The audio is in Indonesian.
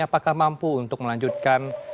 apakah mampu untuk melanjutkan